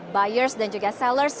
buyers dan juga sellers